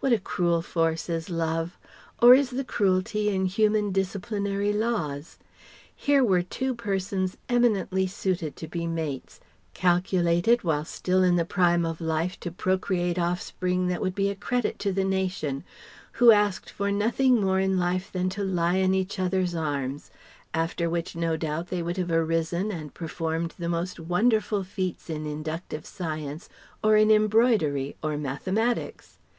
What a cruel force is Love! Or is the cruelty in human disciplinary laws? Here were two persons eminently suited to be mates, calculated while still in the prime of life to procreate offspring that would be a credit to the nation, who asked for nothing more in life than to lie in each other's arms after which no doubt they would have arisen and performed the most wonderful feats in inductive science or in embroidery or mathematics.